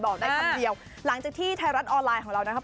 บอกได้คำเดียวหลังจากที่ไทยรัฐออนไลน์ของเรานะครับ